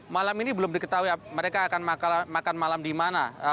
malam ini belum diketahui mereka akan makan malam di mana